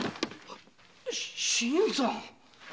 新さん？